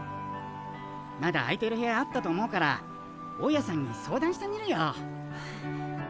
まだ空いてる部屋あったと思うから大家さんに相談してみるよ。